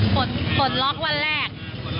ปลดล็อกวันแรก